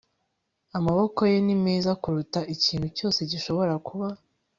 amaboko ye ni meza kuruta ikintu cyose gishobora kuba